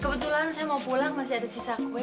kebetulan saya mau pulang masih ada sisa kue